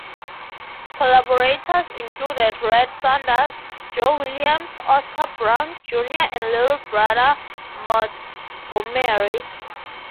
Collaborators included Red Saunders, Joe Williams, Oscar Brown, Junior and Little Brother Montgomery.